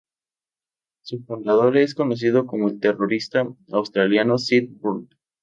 Su fundador es conocido como el terrorista australiano Sid Burn.